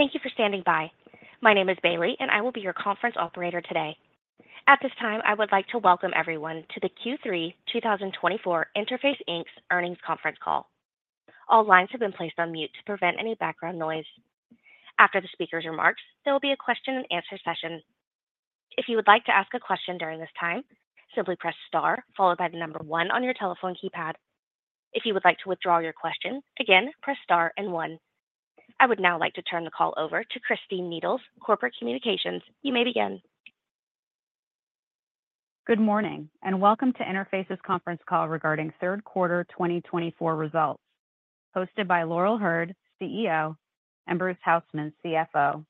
Thank you for standing by. My name is Bailey, and I will be your conference operator today. At this time, I would like to welcome everyone to the Q3 2024 Interface Inc.'s earnings conference call. All lines have been placed on mute to prevent any background noise. After the speaker's remarks, there will be a question-and-answer session. If you would like to ask a question during this time, simply press star followed by the number one on your telephone keypad. If you would like to withdraw your question, again, press star and one. I would now like to turn the call over to Christine Needles, Corporate Communications. You may begin. Good morning, and welcome to Interface's conference call regarding third quarter 2024 results, hosted by Laurel Hurd, CEO, and Bruce Hausmann, CFO.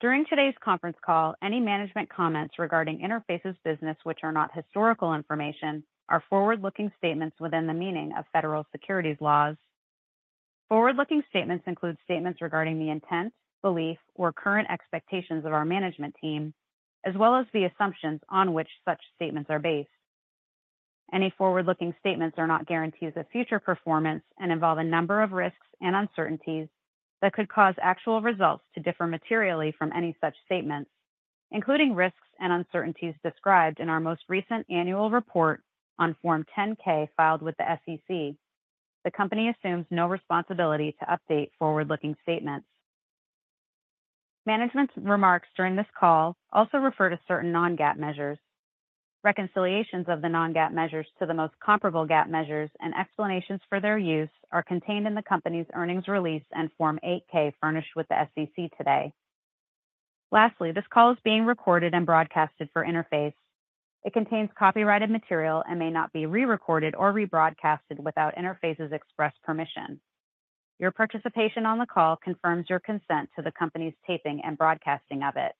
During today's conference call, any management comments regarding Interface's business, which are not historical information, are forward-looking statements within the meaning of federal securities laws. Forward-looking statements include statements regarding the intent, belief, or current expectations of our management team, as well as the assumptions on which such statements are based. Any forward-looking statements are not guarantees of future performance and involve a number of risks and uncertainties that could cause actual results to differ materially from any such statements, including risks and uncertainties described in our most recent annual report on Form 10-K filed with the SEC. The company assumes no responsibility to update forward-looking statements. Management's remarks during this call also refer to certain non-GAAP measures. Reconciliations of the non-GAAP measures to the most comparable GAAP measures and explanations for their use are contained in the company's earnings release and Form 8-K furnished with the SEC today. Lastly, this call is being recorded and broadcasted for Interface. It contains copyrighted material and may not be re-recorded or rebroadcasted without Interface's express permission. Your participation on the call confirms your consent to the company's taping and broadcasting of it.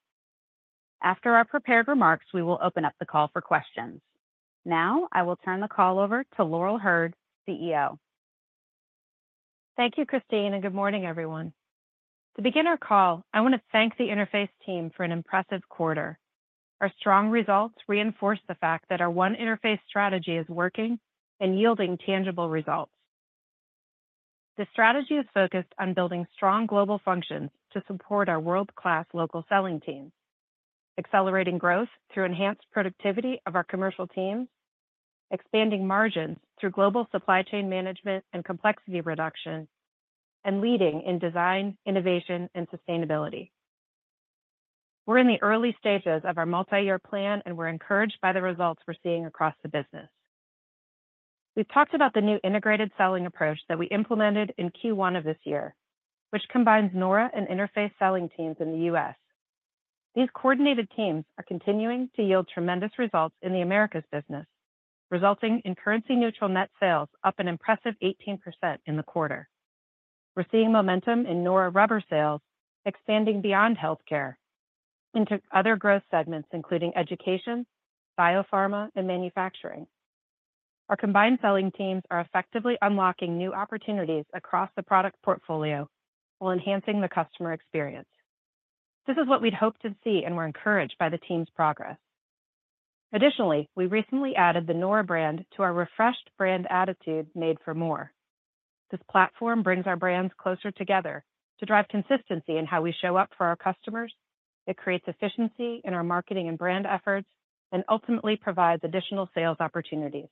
After our prepared remarks, we will open up the call for questions. Now, I will turn the call over to Laurel Hurd, CEO. Thank you, Christine, and good morning, everyone. To begin our call, I want to thank the Interface team for an impressive quarter. Our strong results reinforce the fact that our One Interface strategy is working and yielding tangible results. The strategy is focused on building strong global functions to support our world-class local selling teams, accelerating growth through enhanced productivity of our commercial teams, expanding margins through global supply chain management and complexity reduction, and leading in design, innovation, and sustainability. We're in the early stages of our multi-year plan, and we're encouraged by the results we're seeing across the business. We've talked about the new integrated selling approach that we implemented in Q1 of this year, which combines nora and Interface selling teams in the U.S. These coordinated teams are continuing to yield tremendous results in the Americas business, resulting in currency-neutral net sales up an impressive 18% in the quarter. We're seeing momentum in nora rubber sales, expanding beyond healthcare into other growth segments, including education, biopharma, and manufacturing. Our combined selling teams are effectively unlocking new opportunities across the product portfolio while enhancing the customer experience. This is what we'd hope to see, and we're encouraged by the team's progress. Additionally, we recently added the nora brand to our refreshed brand attitude Made for More. This platform brings our brands closer together to drive consistency in how we show up for our customers. It creates efficiency in our marketing and brand efforts and ultimately provides additional sales opportunities.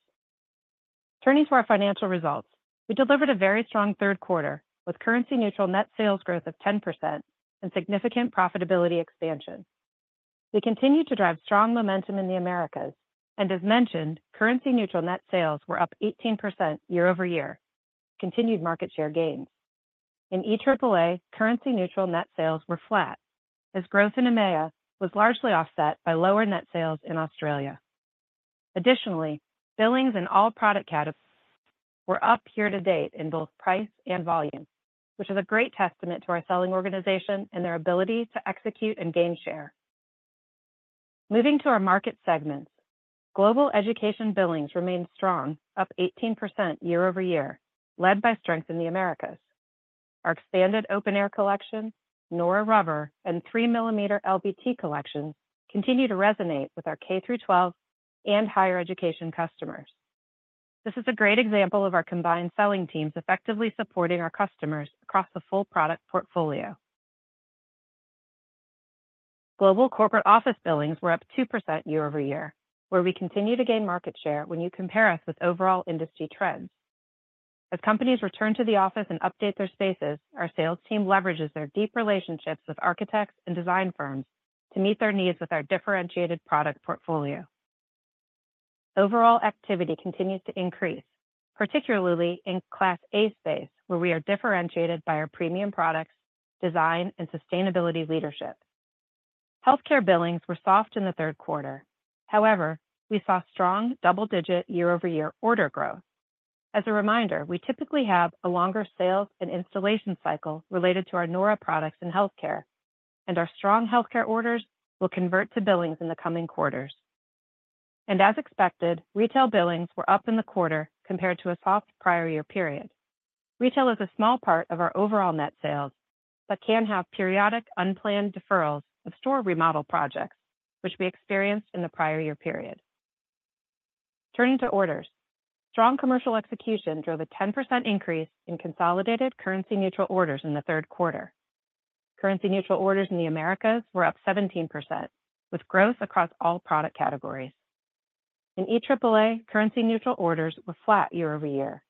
Turning to our financial results, we delivered a very strong third quarter with currency-neutral net sales growth of 10% and significant profitability expansion. We continue to drive strong momentum in the Americas, and as mentioned, currency-neutral net sales were up 18% year-over-year, continued market share gains. In EAAA, currency-neutral net sales were flat, as growth in EMEA was largely offset by lower net sales in Australia. Additionally, billings in all product categories were up year-to-date in both price and volume, which is a great testament to our selling organization and their ability to execute and gain share. Moving to our market segments, global education billings remained strong, up 18% year-over-year, led by strength in the Americas. Our expanded Open Air collection, nora rubber, and three-millimeter LVT collections continue to resonate with our K-12 and higher education customers. This is a great example of our combined selling teams effectively supporting our customers across the full product portfolio. Global corporate office billings were up 2% year-over-year, where we continue to gain market share when you compare us with overall industry trends. As companies return to the office and update their spaces, our sales team leverages their deep relationships with architects and design firms to meet their needs with our differentiated product portfolio. Overall activity continues to increase, particularly in Class A space, where we are differentiated by our premium products, design, and sustainability leadership. Healthcare billings were soft in the third quarter. However, we saw strong double-digit year-over-year order growth. As a reminder, we typically have a longer sales and installation cycle related to our nora products in healthcare, and our strong healthcare orders will convert to billings in the coming quarters, and as expected, retail billings were up in the quarter compared to a soft prior year period. Retail is a small part of our overall net sales but can have periodic unplanned deferrals of store remodel projects, which we experienced in the prior year period. Turning to orders, strong commercial execution drove a 10% increase in consolidated currency-neutral orders in the third quarter. Currency-neutral orders in the Americas were up 17%, with growth across all product categories. In EAAA, currency-neutral orders were flat year-over-year.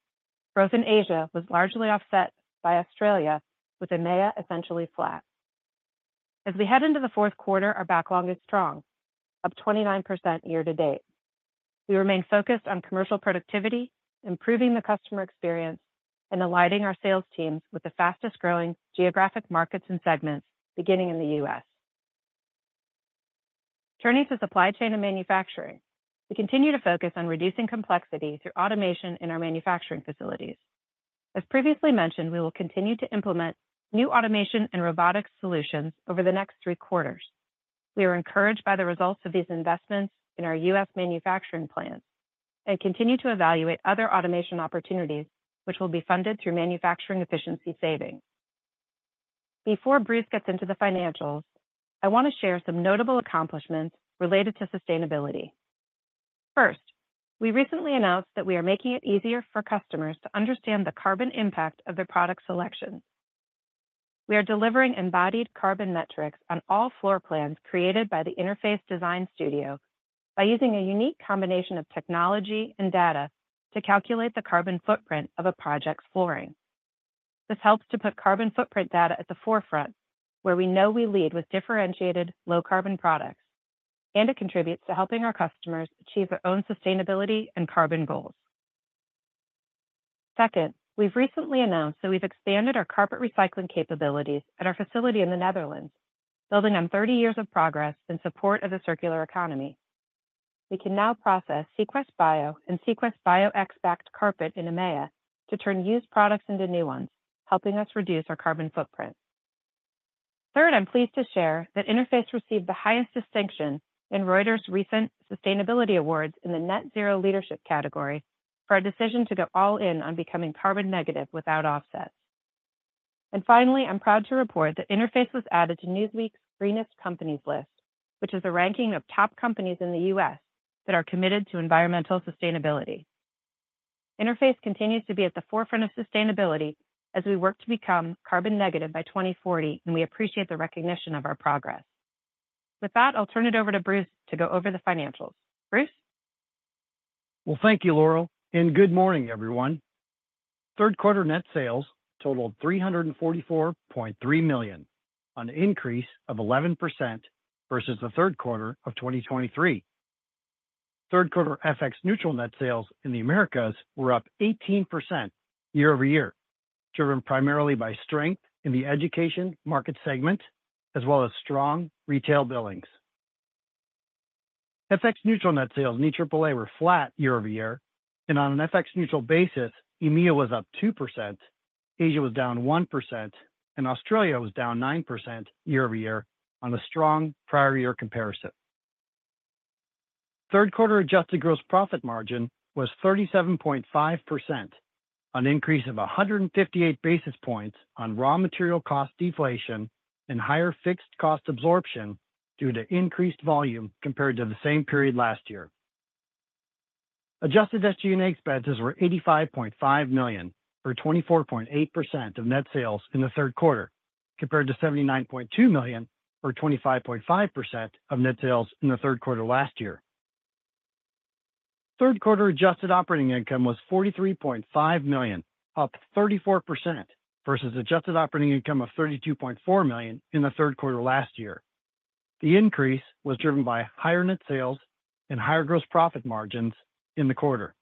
Growth in Asia was largely offset by Australia, with EMEA essentially flat. As we head into the fourth quarter, our backlog is strong, up 29% year-to-date. We remain focused on commercial productivity, improving the customer experience, and aligning our sales teams with the fastest-growing geographic markets and segments, beginning in the U.S. Turning to supply chain and manufacturing, we continue to focus on reducing complexity through automation in our manufacturing facilities. As previously mentioned, we will continue to implement new automation and robotics solutions over the next three quarters. We are encouraged by the results of these investments in our U.S. manufacturing plants and continue to evaluate other automation opportunities, which will be funded through manufacturing efficiency savings. Before Bruce gets into the financials, I want to share some notable accomplishments related to sustainability. First, we recently announced that we are making it easier for customers to understand the carbon impact of their product selections. We are delivering embodied carbon metrics on all floor plans created by the Interface Design Studio by using a unique combination of technology and data to calculate the carbon footprint of a project's flooring. This helps to put carbon footprint data at the forefront, where we know we lead with differentiated low-carbon products, and it contributes to helping our customers achieve their own sustainability and carbon goals. Second, we've recently announced that we've expanded our carpet recycling capabilities at our facility in the Netherlands, building on 30 years of progress in support of the circular economy. We can now process CQuestBio and CQuestBioX-backed carpet in EMEA to turn used products into new ones, helping us reduce our carbon footprint. Third, I'm pleased to share that Interface received the highest distinction in Reuters' recent sustainability awards in the net-zero leadership category for our decision to go all-in on becoming carbon negative without offsets. And finally, I'm proud to report that Interface was added to Newsweek's Greenest Companies list, which is a ranking of top companies in the U.S. that are committed to environmental sustainability. Interface continues to be at the forefront of sustainability as we work to become carbon negative by 2040, and we appreciate the recognition of our progress. With that, I'll turn it over to Bruce to go over the financials. Bruce? Thank you, Laurel, and good morning, everyone. Third quarter net sales totaled $344.3 million, an increase of 11% versus the third quarter of 2023. Third quarter FX-neutral net sales in the Americas were up 18% year-over-year, driven primarily by strength in the education market segment, as well as strong retail billings. FX-neutral net sales in EAAA were flat year-over-year, and on an FX-neutral basis, EMEA was up 2%, Asia was down 1%, and Australia was down 9% year-over-year on a strong prior-year comparison. Third quarter adjusted gross profit margin was 37.5%, an increase of 158 basis points on raw material cost deflation and higher fixed cost absorption due to increased volume compared to the same period last year. Adjusted SG&A expenses were $85.5 million or 24.8% of net sales in the third quarter, compared to $79.2 million or 25.5% of net sales in the third quarter last year. Third quarter adjusted operating income was $43.5 million, up 34%, versus adjusted operating income of $32.4 million in the third quarter last year. The increase was driven by higher net sales and higher gross profit margins in the quarter.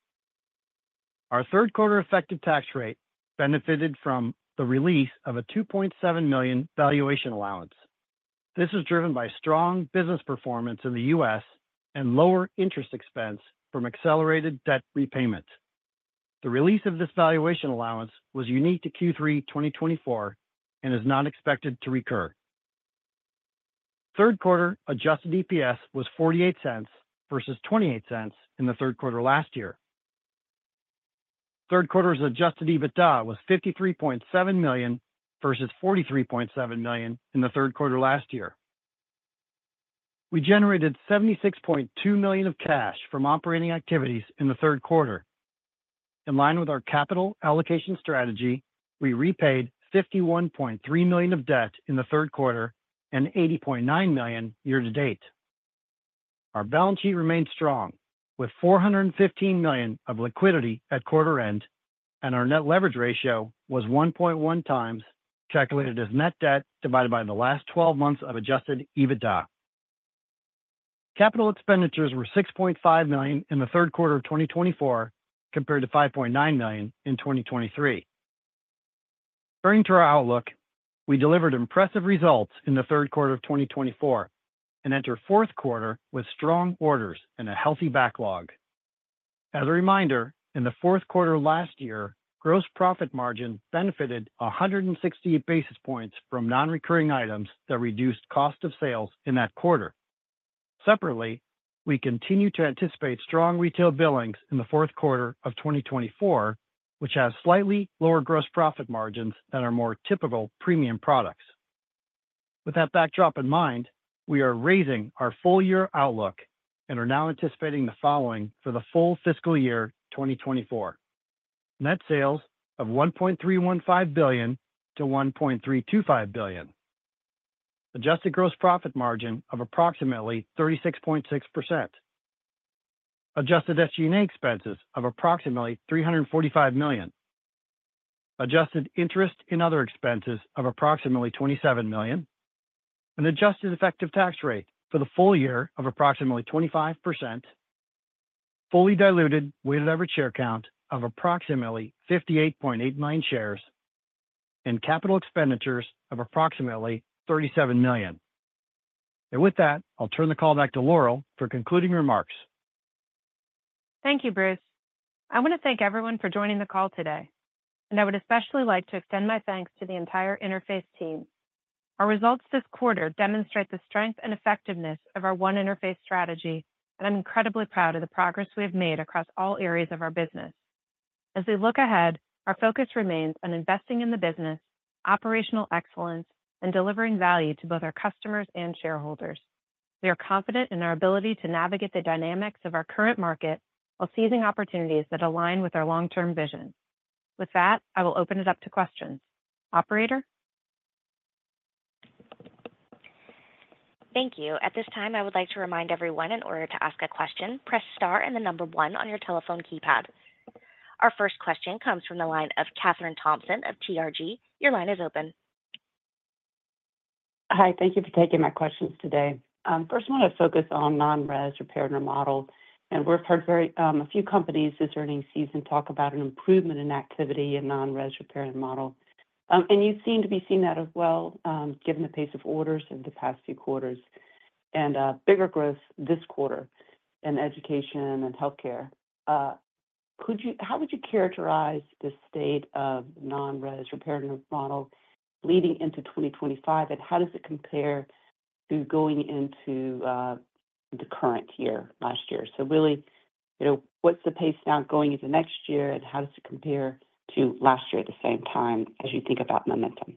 Our third quarter effective tax rate benefited from the release of a $2.7 million valuation allowance. This was driven by strong business performance in the U.S. and lower interest expense from accelerated debt repayment. The release of this valuation allowance was unique to Q3 2024 and is not expected to recur. Third quarter adjusted EPS was $0.48 versus $0.28 in the third quarter last year. Third quarter's adjusted EBITDA was $53.7 million versus $43.7 million in the third quarter last year. We generated $76.2 million of cash from operating activities in the third quarter. In line with our capital allocation strategy, we repaid $51.3 million of debt in the third quarter and $80.9 million year-to-date. Our balance sheet remained strong, with $415 million of liquidity at quarter end, and our net leverage ratio was 1.1x, calculated as net debt divided by the last 12 months of adjusted EBITDA. Capital expenditures were $6.5 million in the third quarter of 2024, compared to $5.9 million in 2023. Turning to our outlook, we delivered impressive results in the third quarter of 2024 and entered fourth quarter with strong orders and a healthy backlog. As a reminder, in the fourth quarter last year, gross profit margin benefited 168 basis points from non-recurring items that reduced cost of sales in that quarter. Separately, we continue to anticipate strong retail billings in the fourth quarter of 2024, which has slightly lower gross profit margins than our more typical premium products. With that backdrop in mind, we are raising our full-year outlook and are now anticipating the following for the full fiscal year 2024: net sales of $1.315 billion-$1.325 billion, adjusted gross profit margin of approximately 36.6%, adjusted SG&A expenses of approximately $345 million, adjusted interest in other expenses of approximately $27 million, an adjusted effective tax rate for the full year of approximately 25%, fully diluted weighted average share count of approximately 58.89 shares, and capital expenditures of approximately $37 million. And with that, I'll turn the call back to Laurel for concluding remarks. Thank you, Bruce. I want to thank everyone for joining the call today, and I would especially like to extend my thanks to the entire Interface team. Our results this quarter demonstrate the strength and effectiveness of our One Interface strategy, and I'm incredibly proud of the progress we have made across all areas of our business. As we look ahead, our focus remains on investing in the business, operational excellence, and delivering value to both our customers and shareholders. We are confident in our ability to navigate the dynamics of our current market while seizing opportunities that align with our long-term vision. With that, I will open it up to questions. Operator? Thank you. At this time, I would like to remind everyone in order to ask a question, press star and the number one on your telephone keypad. Our first question comes from the line of Kathryn Thompson of TRG. Your line is open. Hi, thank you for taking my questions today. First, I want to focus on non-res repair and remodel. And we've heard a few companies this earnings season talk about an improvement in activity in non-res repair and remodel. And you seem to be seeing that as well, given the pace of orders in the past few quarters and bigger growth this quarter in education and healthcare. How would you characterize the state of non-res repair and remodel leading into 2025, and how does it compare to going into the current year, last year? So really, what's the pace now going into next year, and how does it compare to last year at the same time as you think about momentum?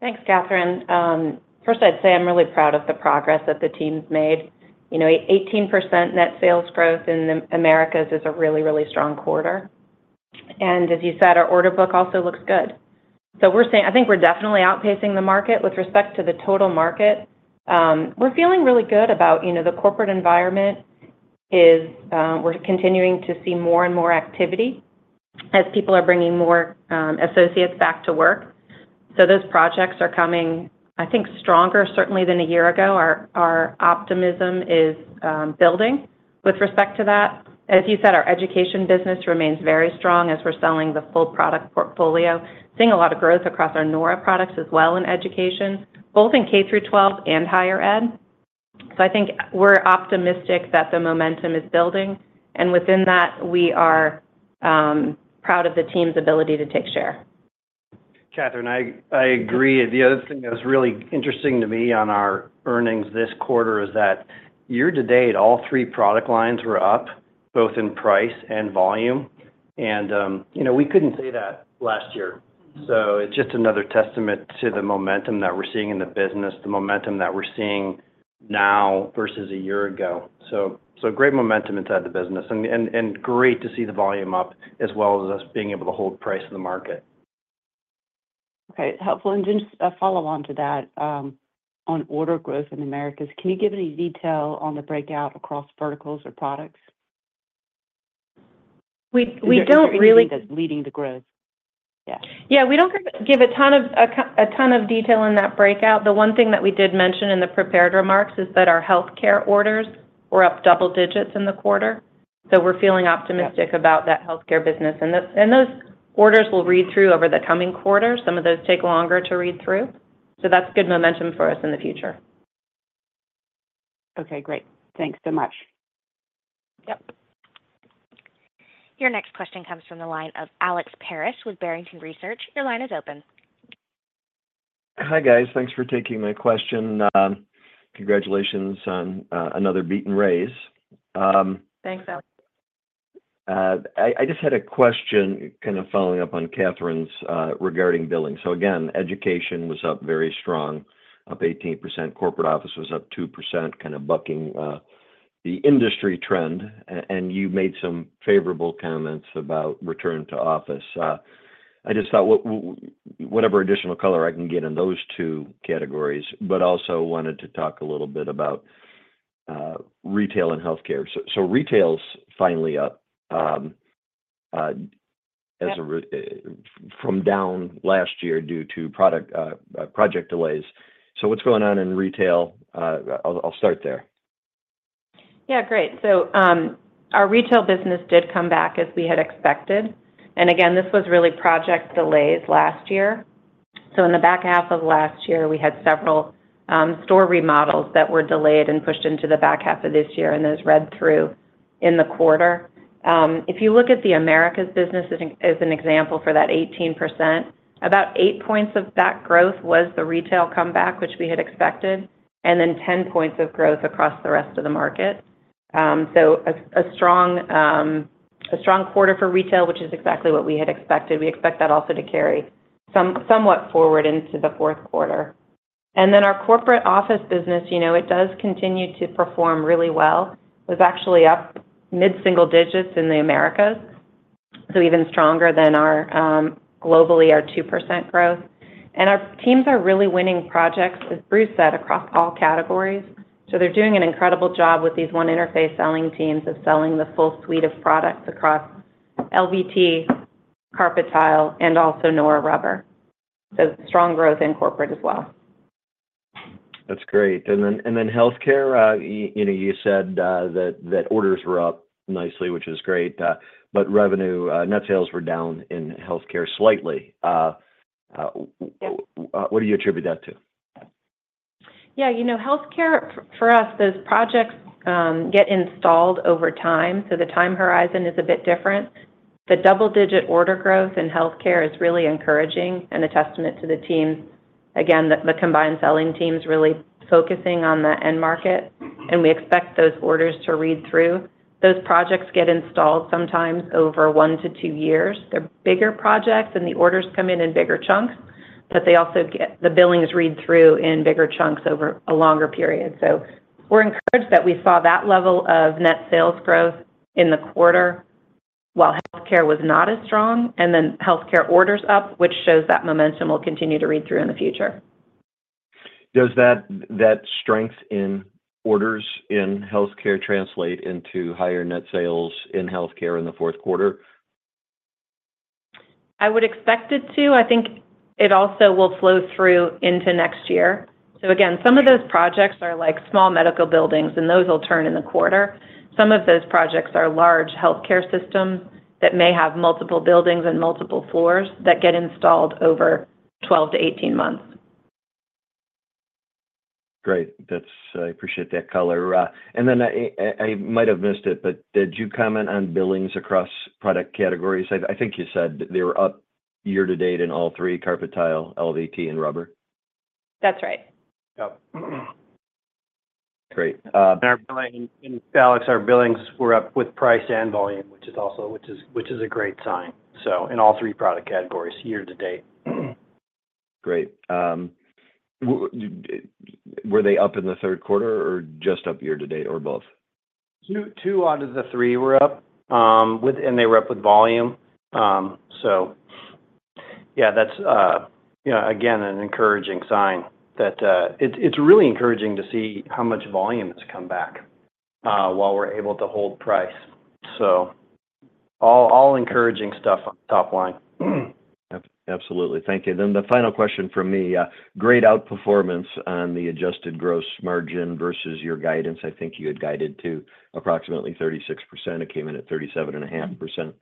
Thanks, Kathryn. First, I'd say I'm really proud of the progress that the team's made. 18% net sales growth in the Americas is a really, really strong quarter. And as you said, our order book also looks good. So I think we're definitely outpacing the market with respect to the total market. We're feeling really good about the corporate environment. We're continuing to see more and more activity as people are bringing more associates back to work. So those projects are coming, I think, stronger, certainly, than a year ago. Our optimism is building with respect to that. As you said, our education business remains very strong as we're selling the full product portfolio. Seeing a lot of growth across our nora products as well in education, both in K through 12 and higher ed. So I think we're optimistic that the momentum is building. Within that, we are proud of the team's ability to take share. Kathryn, I agree. The other thing that was really interesting to me on our earnings this quarter is that year-to-date, all three product lines were up, both in price and volume. And we couldn't say that last year. So it's just another testament to the momentum that we're seeing in the business, the momentum that we're seeing now versus a year ago. So great momentum inside the business and great to see the volume up as well as us being able to hold price in the market. Okay. Helpful. And just a follow-on to that, on order growth in the Americas, can you give any detail on the breakout across verticals or products? We don't really. What you see as leading the growth? Yeah. Yeah, we don't give a ton of detail in that breakout. The one thing that we did mention in the prepared remarks is that our healthcare orders were up double digits in the quarter. So we're feeling optimistic about that healthcare business. And those orders will read through over the coming quarter. Some of those take longer to read through. So that's good momentum for us in the future. Okay. Great. Thanks so much. Yep. Your next question comes from the line of Alex Paris with Barrington Research. Your line is open. Hi, guys. Thanks for taking my question. Congratulations on another beat and raise. Thanks, Alex. I just had a question kind of following up on Kathryn's regarding billing, so again, education was up very strong, up 18%. Corporate office was up 2%, kind of bucking the industry trend, and you made some favorable comments about return to office. I just thought whatever additional color I can get in those two categories, but also wanted to talk a little bit about retail and healthcare, so retail's finally up from down last year due to project delays, so what's going on in retail? I'll start there. Yeah, great. So our retail business did come back as we had expected. And again, this was really project delays last year. So in the back half of last year, we had several store remodels that were delayed and pushed into the back half of this year, and those read through in the quarter. If you look at the Americas business as an example for that 18%, about 8 points of that growth was the retail comeback, which we had expected, and then 10 points of growth across the rest of the market. So a strong quarter for retail, which is exactly what we had expected. We expect that also to carry somewhat forward into the fourth quarter. And then our corporate office business, it does continue to perform really well. It was actually up mid-single digits in the Americas, so even stronger than globally, our 2% growth. Our teams are really winning projects, as Bruce said, across all categories. They're doing an incredible job with these One Interface selling teams of selling the full suite of products across LVT, Carpet Tile, and also nora rubber. Strong growth in corporate as well. That's great. And then healthcare, you said that orders were up nicely, which is great, but revenue, net sales were down in healthcare slightly. What do you attribute that to? Yeah. Healthcare, for us, those projects get installed over time. So the time horizon is a bit different. The double-digit order growth in healthcare is really encouraging and a testament to the team's, again, the combined selling teams really focusing on the end market. And we expect those orders to read through. Those projects get installed sometimes over one to two years. They're bigger projects, and the orders come in in bigger chunks, but the billings read through in bigger chunks over a longer period. So we're encouraged that we saw that level of net sales growth in the quarter while healthcare was not as strong. And then healthcare orders up, which shows that momentum will continue to read through in the future. Does that strength in orders in healthcare translate into higher net sales in healthcare in the fourth quarter? I would expect it to. I think it also will flow through into next year. So again, some of those projects are like small medical buildings, and those will turn in the quarter. Some of those projects are large healthcare systems that may have multiple buildings and multiple floors that get installed over 12-18 months. Great. I appreciate that color. And then I might have missed it, but did you comment on billings across product categories? I think you said they were up year-to-date in all three: Carpet Tile, LVT, and Rubber. That's right. Yep. Great. Alex, our billings were up with price and volume, which is also a great sign. So in all three product categories year-to-date. Great. Were they up in the third quarter or just up year-to-date or both? Two out of the three were up, and they were up with volume. So yeah, that's, again, an encouraging sign that it's really encouraging to see how much volume has come back while we're able to hold price. So all encouraging stuff on the top line. Absolutely. Thank you. Then the final question from me. Great outperformance on the adjusted gross margin versus your guidance. I think you had guided to approximately 36%. It came in at 37.5%.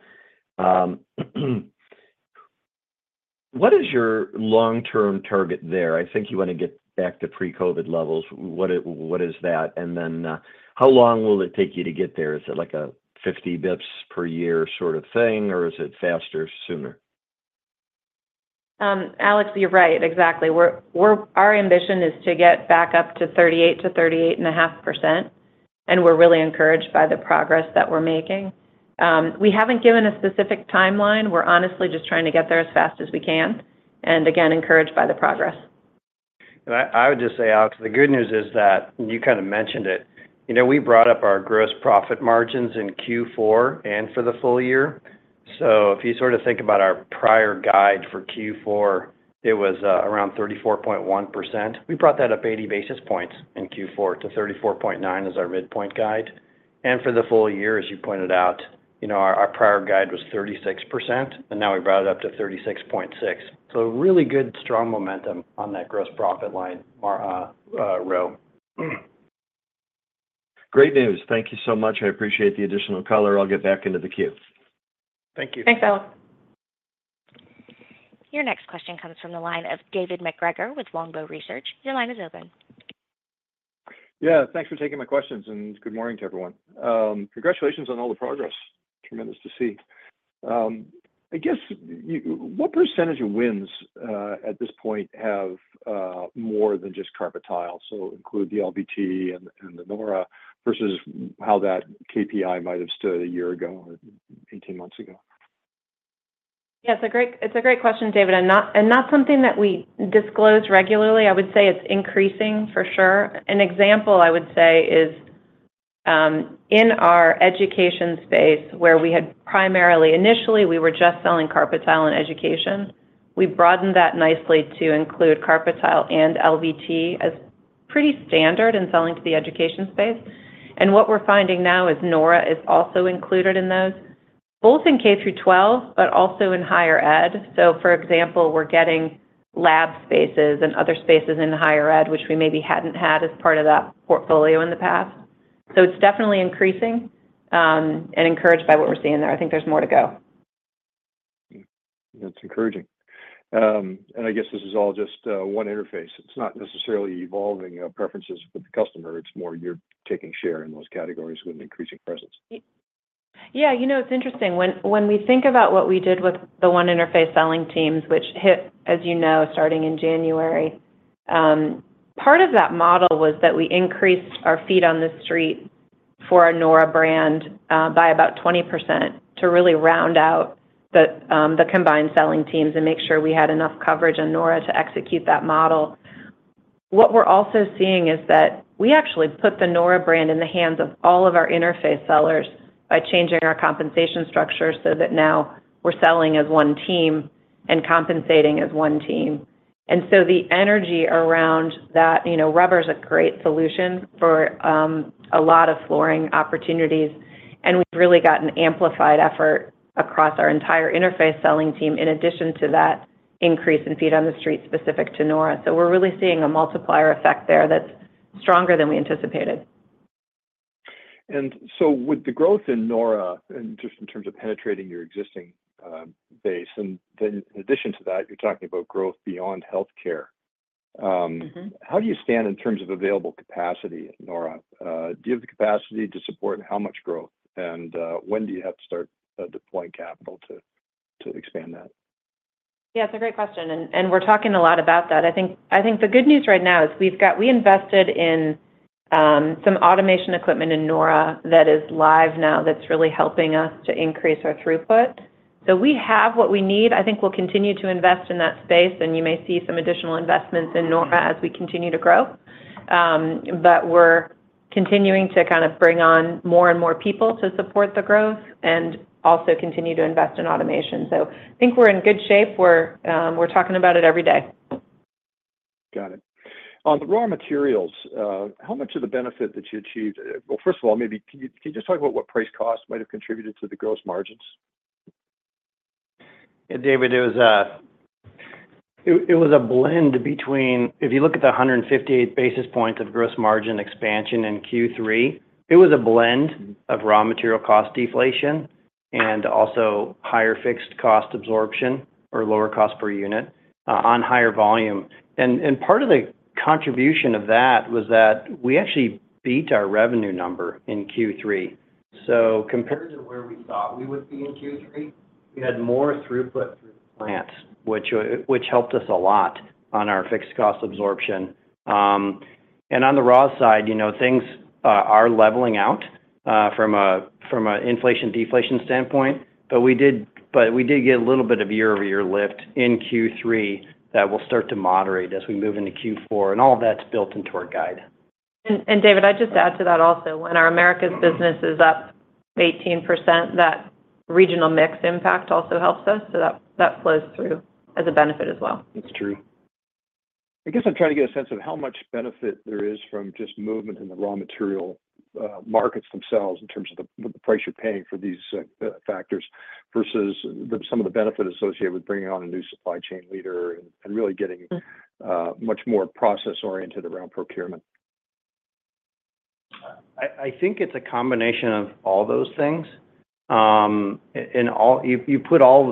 What is your long-term target there? I think you want to get back to pre-COVID levels. What is that? And then how long will it take you to get there? Is it like a 50 basis points per year sort of thing, or is it faster, sooner? Alex, you're right. Exactly. Our ambition is to get back up to 38%-38.5%, and we're really encouraged by the progress that we're making. We haven't given a specific timeline. We're honestly just trying to get there as fast as we can, and again, encouraged by the progress. I would just say, Alex, the good news is that you kind of mentioned it. We brought up our gross profit margins in Q4 and for the full year. If you sort of think about our prior guide for Q4, it was around 34.1%. We brought that up 80 basis points in Q4 to 34.9% as our midpoint guide. For the full year, as you pointed out, our prior guide was 36%, and now we brought it up to 36.6%. Really good, strong momentum on that gross profit line row. Great news. Thank you so much. I appreciate the additional color. I'll get back into the queue. Thank you. Thanks, Alex. Your next question comes from the line of David MacGregor with Longbow Research. Your line is open. Yeah. Thanks for taking my questions, and good morning to everyone. Congratulations on all the progress. Tremendous to see. I guess what percentage of wins at this point have more than just Carpet Tile? So include the LVT and the nora versus how that KPI might have stood a year ago or 18 months ago. Yeah. It's a great question, David, and not something that we disclose regularly. I would say it's increasing for sure. An example I would say is in our education space where we had primarily initially, we were just selling Carpet Tile in education. We broadened that nicely to include Carpet Tile and LVT as pretty standard in selling to the education space. And what we're finding now is nora is also included in those, both in K through 12, but also in higher ed. So for example, we're getting lab spaces and other spaces in higher ed, which we maybe hadn't had as part of that portfolio in the past. So it's definitely increasing and encouraged by what we're seeing there. I think there's more to go. That's encouraging, and I guess this is all just One Interface. It's not necessarily evolving preferences with the customer. It's more you're taking share in those categories with an increasing presence. Yeah. It's interesting. When we think about what we did with the One Interface selling teams, which hit, as you know, starting in January, part of that model was that we increased our feet on the street for our nora brand by about 20% to really round out the combined selling teams and make sure we had enough coverage on nora to execute that model. What we're also seeing is that we actually put the nora brand in the hands of all of our Interface sellers by changing our compensation structure so that now we're selling as one team and compensating as one team. And so the energy around that, rubber's a great solution for a lot of flooring opportunities, and we've really got an amplified effort across our entire Interface selling team in addition to that increase in feet on the street specific to nora. So we're really seeing a multiplier effect there that's stronger than we anticipated. And so with the growth in nora, and just in terms of penetrating your existing base, and then in addition to that, you're talking about growth beyond healthcare. How do you stand in terms of available capacity at nora? Do you have the capacity to support how much growth, and when do you have to start deploying capital to expand that? Yeah. It's a great question. And we're talking a lot about that. I think the good news right now is we invested in some automation equipment in nora that is live now that's really helping us to increase our throughput. So we have what we need. I think we'll continue to invest in that space, and you may see some additional investments in nora as we continue to grow. But we're continuing to kind of bring on more and more people to support the growth and also continue to invest in automation. So I think we're in good shape. We're talking about it every day. Got it. On the raw materials, how much of the benefit that you achieved? Well, first of all, maybe can you just talk about what price cost might have contributed to the gross margins? Yeah, David, it was a blend between if you look at the 158 basis points of gross margin expansion in Q3, it was a blend of raw material cost deflation and also higher fixed cost absorption or lower cost per unit on higher volume. And part of the contribution of that was that we actually beat our revenue number in Q3. So compared to where we thought we would be in Q3, we had more throughput through the plants, which helped us a lot on our fixed cost absorption. And on the raw side, things are leveling out from an inflation-deflation standpoint, but we did get a little bit of year-over-year lift in Q3 that will start to moderate as we move into Q4. And all of that's built into our guide. And David, I'd just add to that also. When our Americas business is up 18%, that regional mix impact also helps us. So that flows through as a benefit as well. That's true. I guess I'm trying to get a sense of how much benefit there is from just movement in the raw material markets themselves in terms of the price you're paying for these factors versus some of the benefit associated with bringing on a new supply chain leader and really getting much more process-oriented around procurement. I think it's a combination of all those things. You put all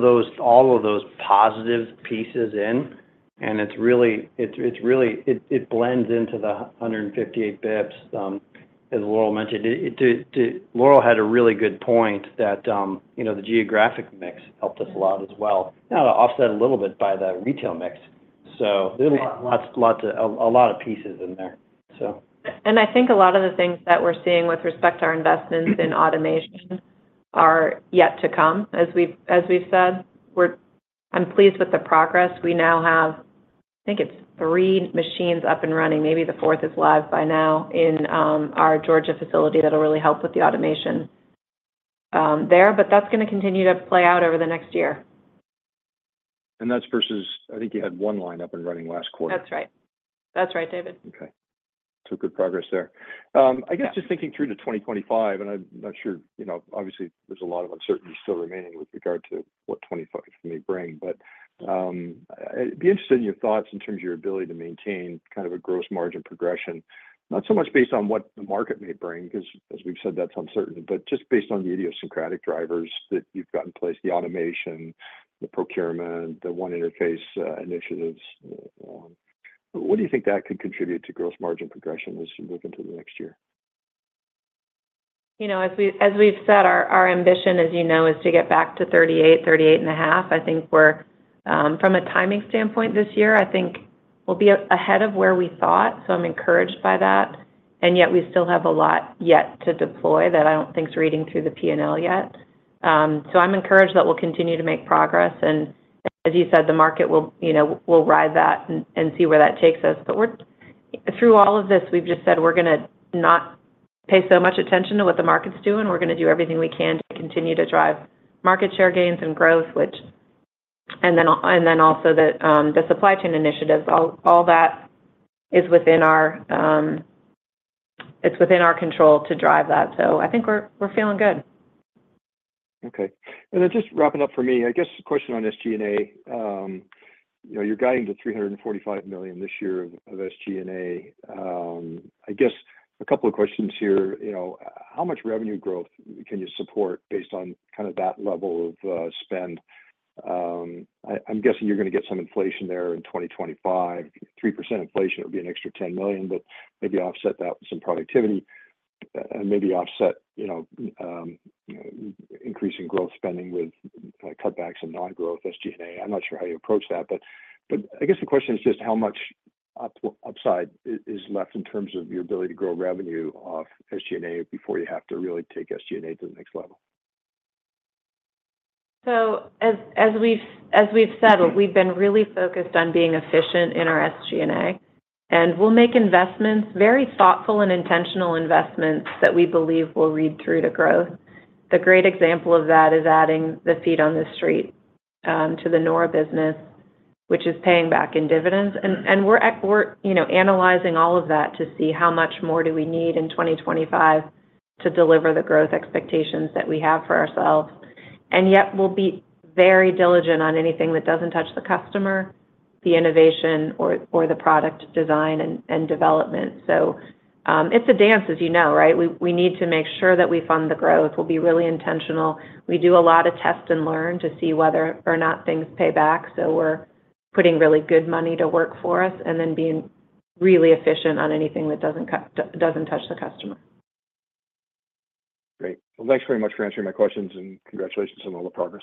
of those positive pieces in, and it really blends into the 158 basis points. As Laurel mentioned, Laurel had a really good point that the geographic mix helped us a lot as well. Now, to offset a little bit by the retail mix. So there's a lot of pieces in there, so. And I think a lot of the things that we're seeing with respect to our investments in automation are yet to come, as we've said. I'm pleased with the progress. We now have, I think it's three machines up and running. Maybe the fourth is live by now in our Georgia facility that'll really help with the automation there. But that's going to continue to play out over the next year. That's versus I think you had one line up and running last quarter. That's right. That's right, David. Okay. So good progress there. I guess just thinking through to 2025, and I'm not sure obviously there's a lot of uncertainty still remaining with regard to what 2025 may bring. But I'd be interested in your thoughts in terms of your ability to maintain kind of a gross margin progression, not so much based on what the market may bring because, as we've said, that's uncertain, but just based on the idiosyncratic drivers that you've got in place, the automation, the procurement, the One Interface initiatives. What do you think that could contribute to gross margin progression as you move into the next year? As we've said, our ambition, as you know, is to get back to 38-38.5. I think from a timing standpoint this year, I think we'll be ahead of where we thought, so I'm encouraged by that. And yet we still have a lot yet to deploy that I don't think is reading through the P&L yet, so I'm encouraged that we'll continue to make progress. And as you said, the market will ride that and see where that takes us, but through all of this, we've just said we're going to not pay so much attention to what the market's doing. We're going to do everything we can to continue to drive market share gains and growth, and then also the supply chain initiatives. All that is within our control to drive that, so I think we're feeling good. Okay. And then just wrapping up for me, I guess a question on SG&A. You're guiding to $345 million this year of SG&A. I guess a couple of questions here. How much revenue growth can you support based on kind of that level of spend? I'm guessing you're going to get some inflation there in 2025. 3% inflation, it would be an extra $10 million, but maybe offset that with some productivity and maybe offset increasing growth spending with cutbacks and non-growth SG&A. I'm not sure how you approach that, but I guess the question is just how much upside is left in terms of your ability to grow revenue off SG&A before you have to really take SG&A to the next level? So as we've said, we've been really focused on being efficient in our SG&A, and we'll make investments, very thoughtful and intentional investments that we believe will read through to growth. The great example of that is adding the feet on the street to the nora business, which is paying back in dividends. And we're analyzing all of that to see how much more do we need in 2025 to deliver the growth expectations that we have for ourselves. And yet we'll be very diligent on anything that doesn't touch the customer, the innovation, or the product design and development. So it's a dance, as you know, right? We need to make sure that we fund the growth. We'll be really intentional. We do a lot of test and learn to see whether or not things pay back. So we're putting really good money to work for us and then being really efficient on anything that doesn't touch the customer. Great. Well, thanks very much for answering my questions, and congratulations on all the progress.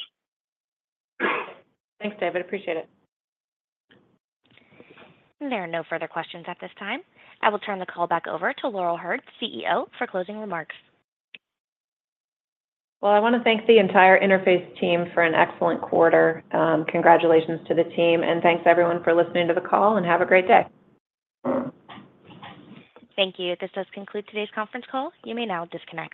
Thanks, David. Appreciate it. There are no further questions at this time. I will turn the call back over to Laurel Hurd, CEO, for closing remarks. I want to thank the entire Interface team for an excellent quarter. Congratulations to the team, and thanks everyone for listening to the call, and have a great day. Thank you. This does conclude today's conference call. You may now disconnect.